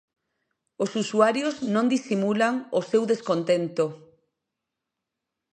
Os usuarios non disimulan o seu descontento.